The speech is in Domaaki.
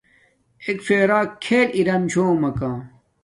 اݵک فݵرݳ کھݵل ارَم چھݸمَکݳ